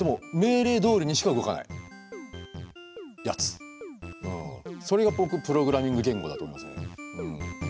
ではそれが僕プログラミング言語だと思いますね。